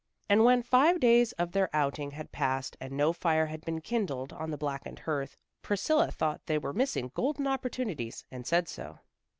And when five days of their outing had passed and no fire had been kindled on the blackened hearth, Priscilla thought they were missing golden opportunities, and said so.